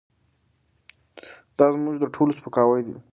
دا زموږ د ټولو سپکاوی دی.